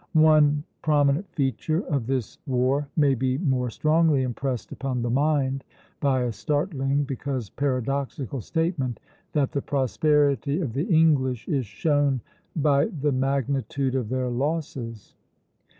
One prominent feature of this war may be more strongly impressed upon the mind by a startling, because paradoxical, statement that the prosperity of the English is shown by the magnitude of their losses.